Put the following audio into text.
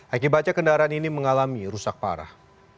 akibatnya kendaraan ini mengalami rusak parah